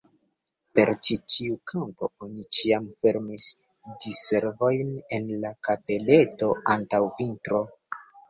Per ĉi tiu kanto oni ĉiam fermis Di-servojn en la kapeleto antaŭ vintro.